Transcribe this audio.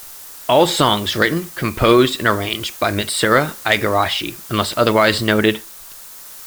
All songs written, composed and arranged by Mitsuru Igarashi, unless otherwise noted.